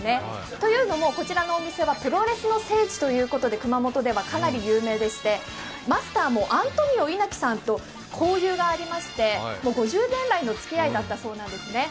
というのも、こちらのお店はプロレスの聖地ということで、熊本ではかなり有名でしてマスターもアントニオ猪木さんと交流がありまして５０年来のつきあいだったそうなんですね。